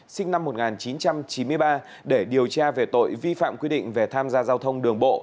sinh năm một nghìn chín trăm chín mươi ba để điều tra về tội vi phạm quy định về tham gia giao thông đường bộ